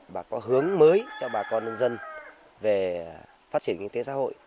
và có hướng mới cho bà con nông dân về phát triển kinh tế xã hội